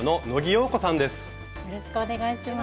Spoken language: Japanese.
よろしく願いします。